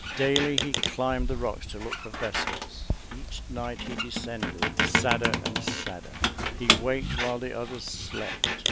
Daily he climbed the rocks to look for vessels; each night he descended sadder and sadder; he waked while the others slept.